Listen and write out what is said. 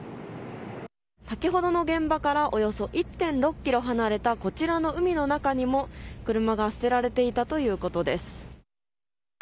先ほどの現場からおよそ１．６ｋｍ離れたこちらの海の中にも車が捨てられていたということです。